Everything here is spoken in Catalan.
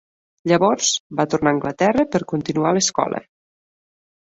Llavors, va tornar a Anglaterra per continuar l'escola.